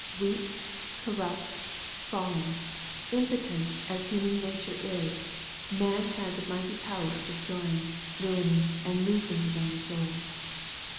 Weak, corrupt, fallen, impotent as human nature is, man has a mighty power of destroying, ruining, and losing his own soul.